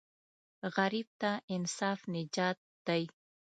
غریب ته انصاف نجات دی